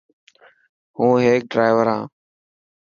هون هيڪ ڊرائور هان.